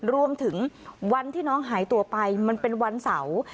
รวมถึงวันที่น้องหายตัวไปมันเป็นวันเสาร์